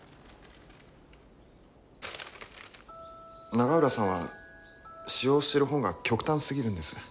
永浦さんは使用してる本が極端すぎるんです。